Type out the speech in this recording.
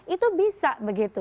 itu bisa begitu